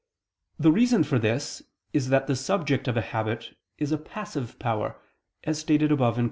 The reason for this is that the subject of a habit is a passive power, as stated above (Q.